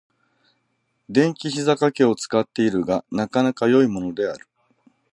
電気ひざかけを使っているが、なかなか良いものである。